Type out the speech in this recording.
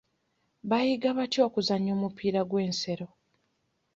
Baayiga batya okuzannya omupiira gw'ensero?